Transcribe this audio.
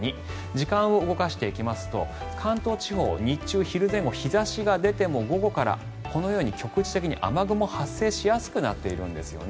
時間を動かしていきますと関東地方、日中、昼前後日差しが出ても午後から、このように局地的に雨雲、発生しやすくなっているんですよね。